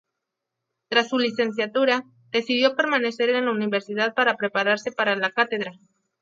Tras su licenciatura, decidió permanecer en la universidad para prepararse para la cátedra.